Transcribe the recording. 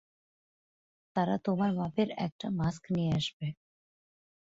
তারা তোমার মাপের একটা মাস্ক নিয়ে আসবে।